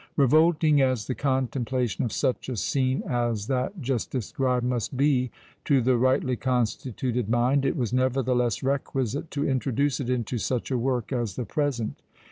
Revolting as the contemplation of such a scene as that just described must be to the rightly constituted mind, it was nevertheless requisite to introduce it into such a work as the present.